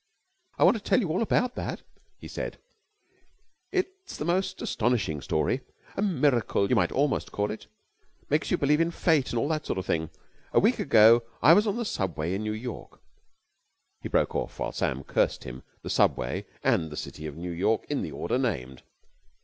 "I want to tell you all about that," he said, "It's the most astonishing story. A miracle, you might almost call it. Makes you believe in Fate and all that sort of thing. A week ago I was on the Subway in New York...." He broke off while Sam cursed him, the Subway, and the city of New York, in the order named.